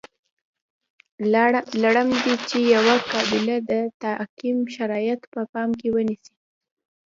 لازم دي چې یوه قابله د تعقیم شرایط په پام کې ونیسي.